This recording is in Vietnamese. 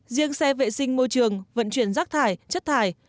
riêng xe vệ sinh môi trường vận chuyển rác thải chất thải